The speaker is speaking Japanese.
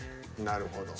なるほど。